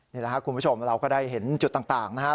นี่แหละครับคุณผู้ชมเราก็ได้เห็นจุดต่างนะครับ